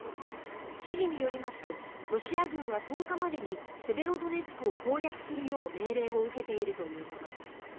知事によりますとロシア軍は１０日までにセベロドネツクを攻略するよう命令を受けているということです。